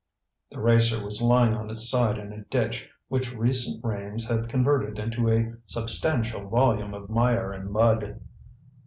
The racer was lying on its side in a ditch which recent rains had converted into a substantial volume of mire and mud.